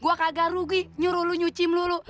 gue kagak rugi nyuruh lu nyuci melulu